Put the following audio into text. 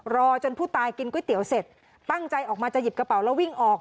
รอจนผู้ตายกินก๋วยเตี๋ยวเสร็จตั้งใจออกมาจะหยิบกระเป๋าแล้ววิ่งออก